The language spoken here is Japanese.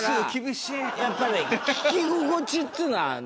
やっぱり聞き心地っつうのはね